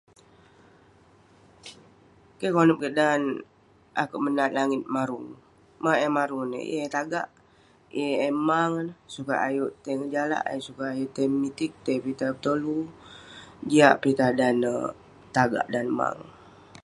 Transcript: Keh konep kik dan akuek menat langit marung maok eh marung ineh yeng eh tagak yeh eh mang sukat ayuk ngejalak sukat ayuk tai metik tai pitah betolu jiak pitah dan neg tagak dan neh mang